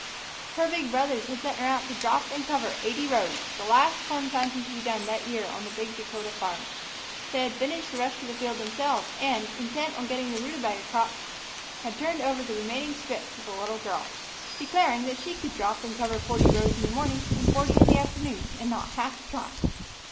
Her big brothers had sent her out to drop and cover eighty rows, the last corn planting to be done that year on the big Dakota farm. They had finished the rest of the field themselves and, intent on getting in the rutabaga crop, had turned over the remaining strip to the little girl, declaring that she could drop and cover forty rows in the morning and forty in the afternoon, and not half try.